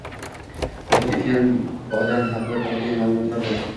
Vafot etgan odam haqida toʻplangan maʼlumotlar, bor.